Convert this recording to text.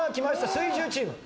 水１０チーム。